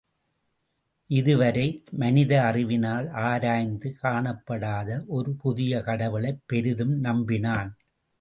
இதுவரை மனித அறிவினால் ஆராய்ந்து காணப்படாத ஒரு புதிய கடவுளைப் பெரிதும் நம்பினான்.